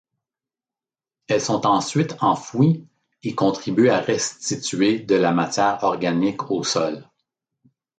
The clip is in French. Elles sont ensuite enfouies et contribuent à restituer de la matière organique au sol.